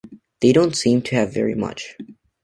They don't seem to have very much.